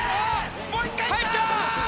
もう１回いった！